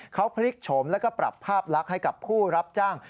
เขาพลิกโฉมแล้วก็ปรับภาพลักษณ์ให้กับผู้รับจ้าง